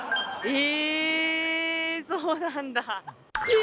え？